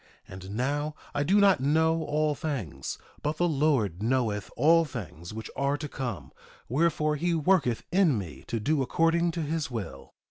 And now, I do not know all things; but the Lord knoweth all things which are to come; wherefore, he worketh in me to do according to his will.